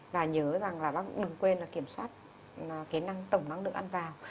và nhớ rằng là bác đừng quên kiểm soát tổng năng lượng ăn vào